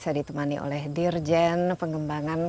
saya ditemani oleh dirjen pengembangan